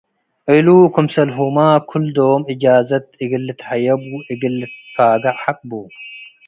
እሉ ክምሰልሁመ ክልዶም እጃዘት እግል ልትሀየብ ወእግል ልትፋገዕ ሐቅ ቡ።